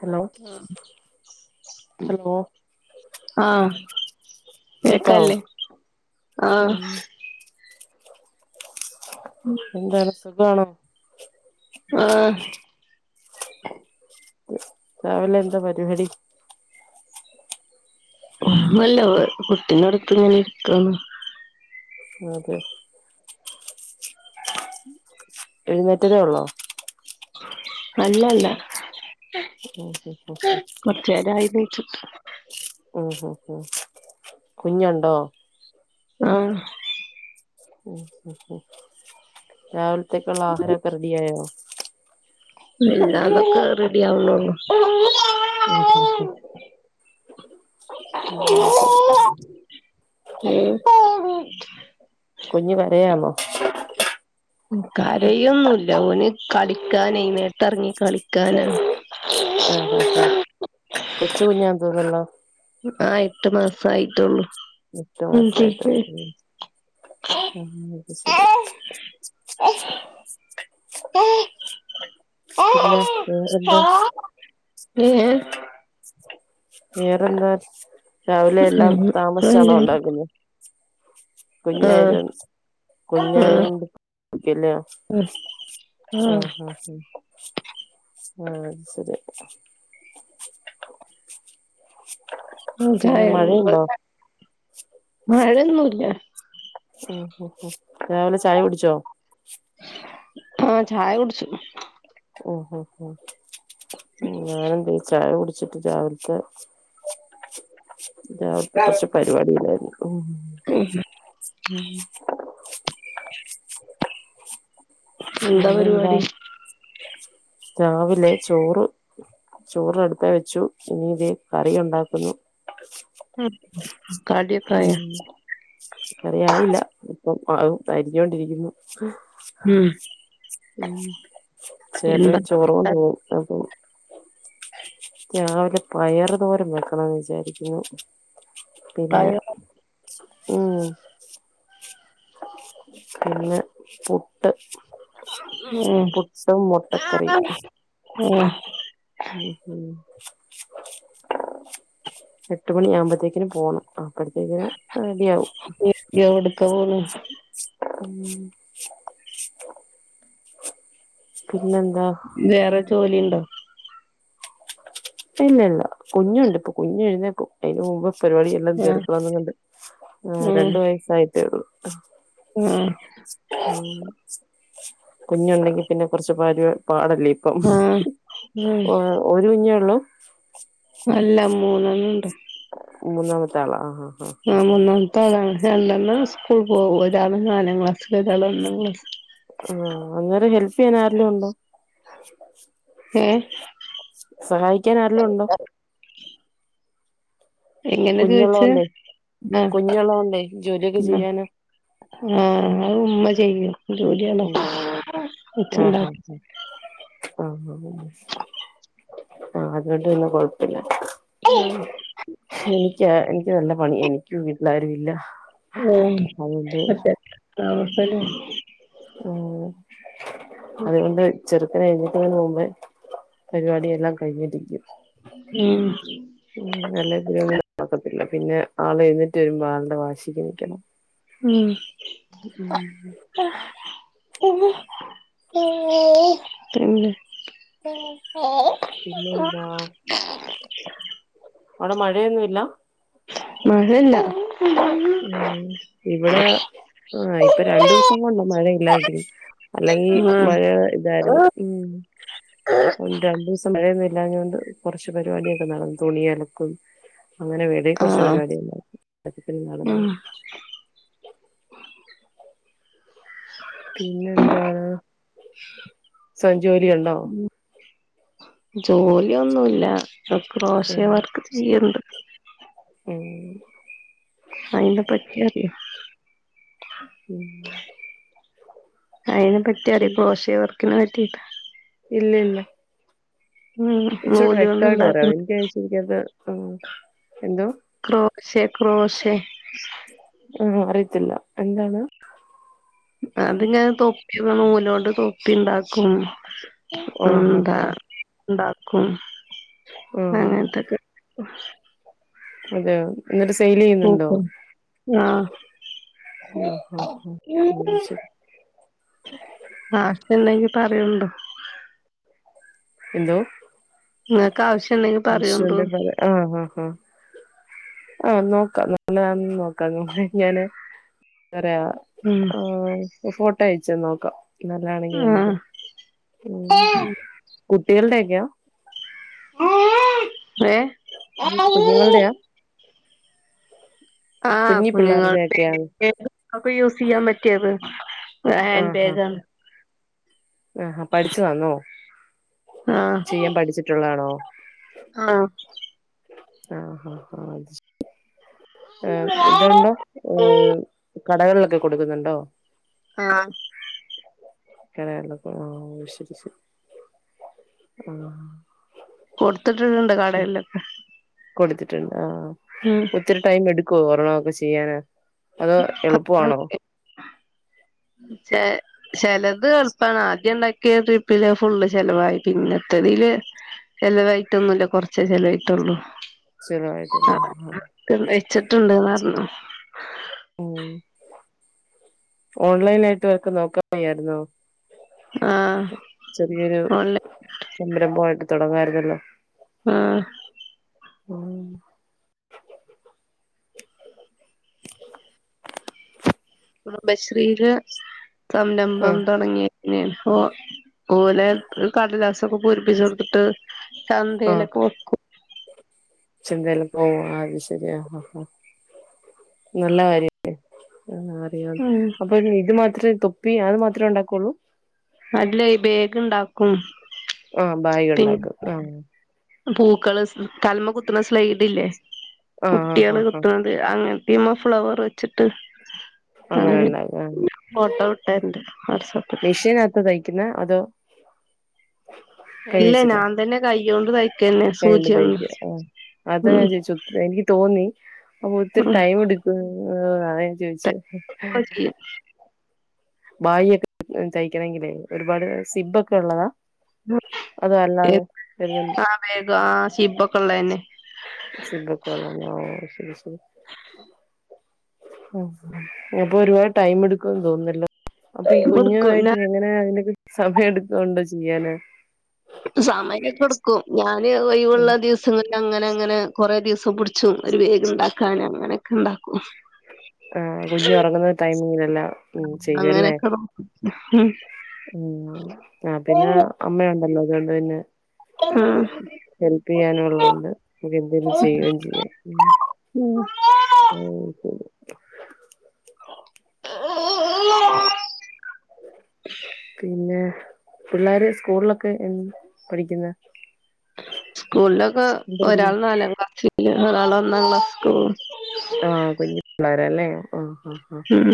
Hello hello ആ ആഹ കേക്കാവോ വക്കല്ലേ ആഹ ഉം എന്താലും സുഖണോ ആഹ രാവില എന്താ പരിപാടി ഒന്നല്ല കുട്ടിന്റെടത്ത് ഇങ്ങനെ ഇരിക്കന്ന് അതെ എഴുന്നേറ്റതേ ഉള്ളോ അല്ല അല്ല ഉ നീച്ചിട്ട് ഉ ഹ ഉ കുഞ്ഞുണ്ടോ ആ ഉ ഉ ഉ രാവിലത്തേക്ക ഉള്ള ആഹാരമൊക്കെ റെഡിയായോ ഇല്ല അതൊക്കെ റെഡി ആവണുള്ളൂ ഉ [inaudible] കരയാന്നോ കരയൊന്നുമല്ല ഓനി കളിക്കാന നിലത്ത് ഇറങ്ങി കളിക്കാൻ ആണ് ആഹ ഹ് ആഹ കൊച്ചു കുഞ്ഞാ എന്തോന്നല്ലോ ആ എട്ട് മാസ ആയിട്ടുള്ളൂ മറ്റ മാസായിട്ടോ ആ അത് ശരി [inaudible] ഏ പിന്നെ എന്തുണ്ട് വേറെന്താ രാവിലെ എല്ലാം ഏഹ് അല്ല താമസാണോ ഉണ്ടാക്കുന്നത് കുഞ്ഞായിര ആഹ് കുഞ്ഞായ ആഹ് കൊണ്ട്ല ഉം ഉം ആഹ ആ ആഹ അത് ശരി ഉം ചായ പിന്നെ മഴയുണ്ടോ മഴയൊന്നുല്ല ഉ രാവിലെ ചായ കുടിച്ചോ ആഹ് ചായ കുടിച്ചു ഉ ഞാനെന്താ ചായ കുടി വച്ചിട്ട് രാവിലത്തെ രാവിലത്തെ കുറച്ച് പരിപാടി ഇല്ലായിരുന്നു ഓ ഉ ഉം എന്താ പരിപാടി രാവിലെ ചോറ് ചോറ്ടുത്ത വെച്ചു ഇനീത് കറി ഉണ്ടാക്കുന്നു അ ഉ കറിയായില്ല ഇപ്പം അത് അരിക്കൊണ്ടിരിക്കുന്നു ഉം മ്മ് ചേട്ടൻ എന്താ ചോറ് കൊണ്ട് പോകും അപ്പൊ രാവിലെ പയറ് തോരം വെക്കണംന്ന് വിചാരിക്കുന്നു പിന്നെ കടിയൊ മ്മ് പിന്നെ പുട്ട് ഉം പുട്ടും മുട്ടക്കറിം ഉം മ് മ് എട്ട് മണി ആവുമ്പത്തേക്കിന് പോണം അപ്പഴത്തേക്കിന് റെഡി ആകും എവിട്ക്കാ പോണ് മ്മ് പിന്നെന്താ വേറെ ജോലിണ്ടോ ഇല്ലല്ല കുഞ്ഞുണ്ട് ഇപ്പോ കുഞ്ഞ് എഴുന്നേക്കും അയ്ൻ്റെ മുമ്പ് പരിപാടിയെല്ലാം ആഹ് തീർക്കണംന്നൊ ക്കെ ഉം രണ്ടു വയസ്സായിട്ടേള്ളു ആഹ് കുഞ്ഞുണ്ടെങ്കി പിന്നെ കൊറച്ച് പരി പാടല്ലേ ഇപ്പം ആഹ് ഉം ഒരു കുഞ്ഞേ ഒള്ളൂ അല്ല മൂന്നെണ്ണണ്ട് മൂന്നാമത്തെ ആളാ ആഹാ ആ മൂന്നാമത്തെ ആളാണ് രണ്ടണ്ണം സ്കൂൾ പോവും ഒരാള് നാലാം ക്ലാസ്ൽ ഒരാള് ഒന്നാം ക്ലാസ്സ് ആഹ് അന്നേരം ഹെൽപ്പെയ്യാനാരേലും ഉണ്ടോ ഏഹ് സഹായിക്കൻ ആരേലും ഉണ്ടോ എങ്ങനെ ചോയിച്ച് കുഞ്ഞുള്ളോണ്ടേ ആ കുഞ്ഞുള്ളോണ്ടേ ജോലിയൊക്കെ ചെയ്യാന് ആഹ അത് ഉമ്മ ചെയ്യും ജോലിയണ്ട ആഹ് [unintelligible] കൊച്ചണ്ട ആഹ ആഹ അത്കൊണ്ട് പിന്നെ കൊഴപ്പില്ല എനിക്കോ എനിക്ക് നല്ല പണിയാണ് എനിക്കും വീട്ടിലാരും ഇല്ല ഓ അതുകൊണ്ട് [inaudible] ആ ഉ അതുകൊണ്ട് ചെറ അത് കഴിഞ്ഞിട്ട് നോമ്പ് പരിപാടിയെല്ലാം കഴിഞ്ഞിരിക്കും ഉം മ്മ് നല്ലതിലൊന്നും നടക്കത്തില്ല പിന്നെ ആള് എ രുമ്പോ ആളുടെ വാശിക്ക് നിക്കണം മ്മ് ഉം പിന്നെ ഇല്ല ഇല്ലാ അവിടെ മഴയൊന്നുല്ല മഴല്ല മ്മ് ഇവിടെ ആ ഇപ്പോ ആഹ് രണ്ടു ദിവസം കൊണ്ട മഴയില്ലാതിരിക്ക് അല്ലെങ്കിൽ മഴ ഇതായിരുന്നു മ്മ് രണ്ടു ദിവസം മഴ ല്ലാഞ്ഞോണ്ട് കുറച്ച് പരിപാടിയൊക്കെ നടന്നു തുണിഅലക്കും അങ്ങനെ വെറെം കൊറ്ച്ച് ആഹ് പരിപാടി ഉണ്ട ഉം പിന്നെന്താ സ്വയം ജോലി ഉണ്ടോ ജോലിയൊന്നുമല്ല ഉം ക്രോശ്യ വർക്ക് ചെയ്യല്ണ്ട് മ്മ് അയ്ൻ്റെ പറ്റി അറിയോ മ്മ് അയിനെ പറ്റി അറിയാ ക്രോശ്യ വർക്കിനെ പറ്റിട്ട ഇല്ല ഇല്ല ഉം ച്ചൂടെ നൂല് കൊണ്ട് വ്യക്തായിട്ട് പറയാവോ ഉണ്ടാക്കുന്ന എനിക്കത് ശെരിക്കത് ആ ക്രോഷെ ക്രോഷെ ഉം അറിയത്തില്ല എന്താണ് അത് ഞാൻ തൊപ്പി നൂലോണ്ട് തൊപ്പിണ്ടാക്കും ആഹ് ആഹ് ന്താ ആഹ് ണ്ടാക്കും ആഹ് അങ്ങൻത്തൊക്കെ അതെയോ ഇന്നിട്ട് സെയിൽ ചെയ്യുന്നുണ്ടോ നോക്കും. ആഹ് ആഹ് ആഹ് അത് ശരി ആഹ് ഉണ്ടെങ്കിൽ പറയണ്ടോ എന്തോ ഇങ്ങൾക്ക് ആവശ്യം ഉണ്ടെങ്കിൽ പറയുണ്ടോ വിഷുന്റെ പറ ആഹ് ആഹ് ആഹ് ആഹ് നോക്കാം ന നോക്കാം ഞാന് പറയാ ഉം ആഹ് ഫോട്ടോ അയച്ച്ന്നാ നോക്കാം നല്ലാതാണെങ്കി നമുക്ക് ആഹ് ഉം കുട്ടികളുടെ ഒക്കെയാ ഏഹ് കുഞ്ഞുങ്ങളുടെയാ ആഹ് കുഞ്ഞി പിള്ളേരുടെയൊക്കെയാ കുഞ്ഞുങ്ങളെയും നമുക്ക് യൂസ് ചെയ്യാൻ പറ്റിയത് ആഹാ ഹാൻ്ബാഗ് ആണ്‌ ആഹാ പഠിച്ചു വന്നോ ആഹ് ചെയ്യാൻ പഠിച്ചിട്ടുള്ളതാണോ ആഹ് ആഹ് ആഹ് ആഹ് അത് ശരി ഏഹ് ഇതുണ്ടോ ഏഹ് കടകളിലൊക്കെ കൊടുക്കുന്നുണ്ടോ ആഹ് കടകളിലോക്ക ആഹ് ശരി ശരി ആഹ് കൊടുത്തിട്ടിട്ടുണ്ട് കടയിലൊക്കെ കൊടുത്തിട്ടുണ്ട് ആഹ് ഒത്തിരി ടൈം എടുക്കുവോ ഒരെണം ഒക്കെ ചെയ്യാന് അതോ എളുപ്പമാണോ? ചി ചിലത് എളുപ്പമാണ് ആദ്യം ഉണ്ടാ ക്കിയ ട്രിപ്പില് ഫുള്ള് ചെലവായി പിന്നത്തതില് ചിലവായിട്ടൊന്നും ഇല്ല കുറച്ചെ ചിലവായിട്ടുള്ളൂ ചിലവായിട്ട്ഒള്ളു ആഹ് വെച്ചിട്ടുണ്ട് എന്ന് പറഞ്ഞു ഉം ഓൺലൈനായിട്ട് വർക്ക് നോക്കാൻ വയ്യായിരുന്നോ ആഹ് ചെറിയൊരു ഓൺലൈ സംരംഭമായിട്ട് തുടങ്ങായിരുന്നല്ലോ ആഹ് ആഹ് കുടുംബശ്രീയില് ആ സംരംഭം തുടങ്ങി പിന്ന ഓ ഓലെ ഒരു കടലാസൊക്കെ പൂരിപ്പിച്ചോടുത്തിട്ട് ചന്തയിലൊക്കെ വെക്കും ചന്തല് പോവും അത് ശരിയാആഹ് ഹാ നല്ല കാര്യല്ലേ ആഹ് അറിയാം ഉം അപ്പൊ ഇത് മാത്രമേ തൊപ്പി അത് മാത്രമേ ഉണ്ടാക്കുള്ളൂ അല്ലയ് ഈ ബേഗ് ഇണ്ടാക്കും ആഹ് ബാഗ് ഉണ്ടാക്കും ആഹ് പൂക്കള് തലമേ കുത്തുന്ന സ്ലൈഡ് ഇല്ലേ ആ കുട്ടി ആ ആ ആള് ആ കുത്തുന്നത് അങ്ങനെ ഇമ ഫ്ലവർ വെച്ചിട്ട് അങ്ങനെ ഉണ്ടാക്കും ആ ഫോട്ടോ വിട്ട് തരണ്ട് മെഷീനകത്ത് തയ്ക്കുന്ന അതോ കൈ അല്ല വെച്ചിട്ടാ ഞാൻ തന്നെ കൈകൊണ്ട് തയ്ക്കന്നെ കൈ കൊണ്ട് സൂചികൊണ്ട് തയ്ക്ക ആ അതാ ഞാൻ ചേദിച്ചു എനിക്ക് തോന്നി അപ്പൊ ഒത്തിരി ഉം ടൈം എടുക്കും ഉം അതാ ഞാൻ ചോദിച്ചത് [unintelligible] ഭായിയൊക്കെ തയ്ക്കണങ്കിലേ ഒരുപാട് സിബ്ബൊക്കെ ഉള്ളതാ അത് അല്ലാതെ ആ [unintelligible] ബേഗ് ആ ഷിബൊക്കെള്ളന്നെ സിബ്ബോക്കെ ഉള്ളന്നെ ശരി ശരി അപ്പൊരുപാട് ടൈം എടുക്കുംന്ന് തോന്നുന്നല്ലോ അപ്പൊ ഈ എടുക്കും കുഞ്ഞുമായിട്ട് ഞാൻ എങ്ങനെയാ അതിക്കെ സമയം എടുത്തുകൊണ്ടാ ചെയ്യാലേ സമയൊക്ക്‌ടുക്കും ഞാന് ഒഴിവ്ള്ള ദിവസങ്ങളിലങ്ങനെ ങ്ങനെ കൊറേ ദിവസം പുടിച്ചും ഒരു ബേഗ്ണ്ടാക്കാന് അങ്ങനെയൊക്കെണ്ടാക്കും ആഹ് കുഞ്ഞുറങ്ങുന്ന ടൈമിങ്ങ് അങ്ങനെ ഹും ആഹ് പിന്നെ അമ്മ ഉണ്ടല്ലോ അതുകൊണ്ട് പിന്നെ ഉം ഹെല്പ് ഉം ചെയ്യാനുള്ളോണ്ട് നമുക്കെന്തെലും ചെയ്യുകയും ചെയ്യാം ഓ ശരി പിന്നെ പിള്ളാര് സ്കൂളിലൊക്കെ ങ് പഠിക്കുന്ന സ്കൂളിലൊക്കെ ഒരാള് നാലാം ക്ലാസ്ല് ഒരാള് ഒന്നാ ക്ലാസ്ക്ക്‌ പോവും ആഹ് കുഞ്ഞു പിള്ളേരാല്ലേ ആഹ് ഉ ഉം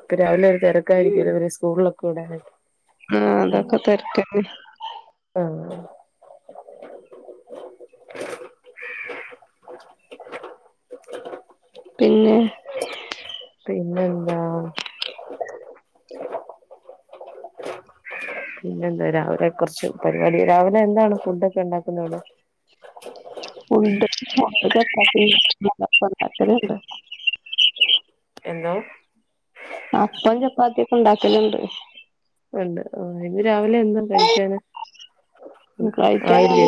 ഇപ്പൊ രാവിലെ ഒരു തെരക്കായിരിക്കല്ലോ വരെസ്കൂളിലൊക്കെ വിടാന് ആഹ് അതൊക്കെ തെരക്കെന്നേ ആ ആ പിന്നെ പിന്നെന്താ? പിന്നെന്താ രാവ് ത്തെ കുറച്ച് പരിപാടി രാവിലെ എന്താണ് ഫുടൊക്കെ ഉണ്ടാക്കുന്നത് ഉണ്ട് ചപ്പാത്തി [unintelligible] എന്തോ പ്പാത്യോക്കെണ്ടാക്കല്ണ്ട് ഉണ്ട് ആഹ് ഇന്ന് രാവിലെ എന്താ കഴിക്കാന്? ക്കൈറ്റാനാണ് ആയില്ലേ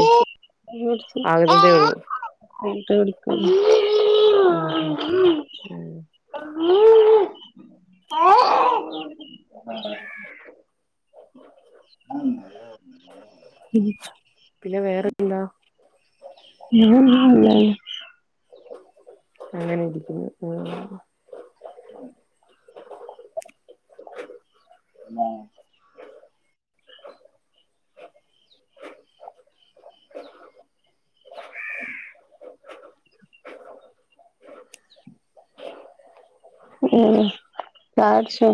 ആകുന്നതേ ഉള്ളൂ [unintelligible] ട്ട വിടിക്കല്ല ഓഹോ ഉം ആഹ് ഉം പിന്നെ വേറെന്താ [unintelligible] ല്ല അങ്ങനെ ഇരിക്കുന്നു ഓഹ് ഉം ആഹ് ഉം ചായുടിച്ചു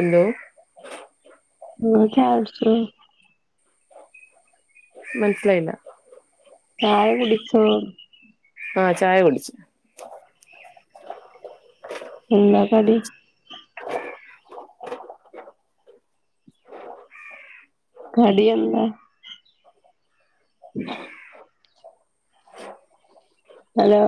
എന്തോ ങ്ങള് ചായുടിച്ചിട് മനസിലായില്ല ചായ കുടിച്ചോ ആഹ് ചായ കുടിച്ച് എന്ന കടി കടിയെന്താ [inaudible] ഹലോ